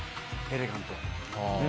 エレガント。